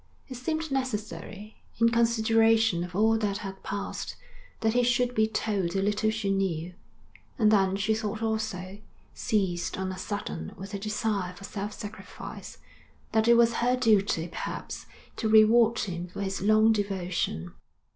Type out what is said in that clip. It seemed necessary, in consideration of all that had passed, that he should be told the little she knew; and then she thought also, seized on a sudden with a desire for self sacrifice, that it was her duty perhaps to reward him for his long devotion.